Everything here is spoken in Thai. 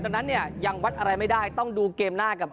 ตอนนี้ยังวัดอะไรไม่ได้ต้องดูเกมหน้ากับ